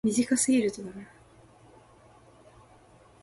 隣の客はよくかき食う客だ